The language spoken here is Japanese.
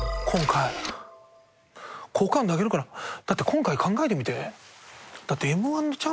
だって今回考えてみて。